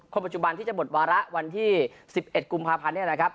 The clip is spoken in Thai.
คนปัจจุบันที่จะหมดวาระวันที่๑๑กุมภาพันธ์